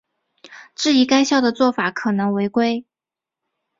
质疑该校的做法可能违规。